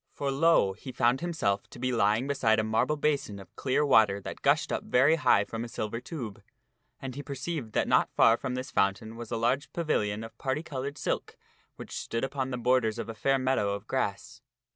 For, lo ! he found himself to be lying beside a marble basin of clear fndetk himself water that gushed up very high from a silver tube. And he beside a foun perceived that not far from this fountain was a large pavilion of parti colored silk which stood upon the borders of a fair meadow of grass.